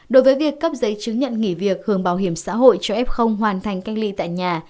đối với việc cấp giấy chứng nhận nghỉ việc hưởng bảo hiểm xã hội cho f hoàn thành cách ly tại nhà